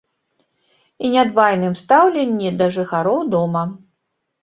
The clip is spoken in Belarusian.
І нядбайным стаўленні да жыхароў дома.